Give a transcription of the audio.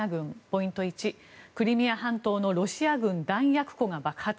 ポイント１、クリミア半島のロシア軍弾薬庫が爆発。